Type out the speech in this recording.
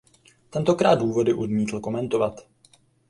Tentokrát důvody odmítl komentovat.